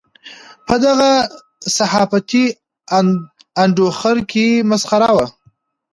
په دغه صحافتي انډوخر کې مسخره وو.